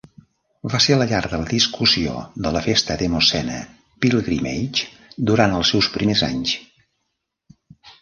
Va ser la llar de la discussió de la festa demoscene Pilgrimage durant els seus primers anys.